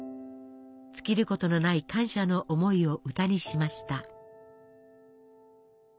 尽きることのない感謝の思いを歌にしました。